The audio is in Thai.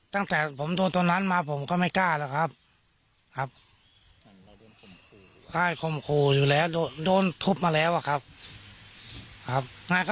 ตั้งแต่ผมโดนตัวนั้นมาผมก็ไม่กล้าแล้วครับ